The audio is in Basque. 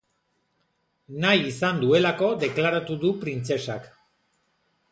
Nahi izan duelako deklaratu du printzesak.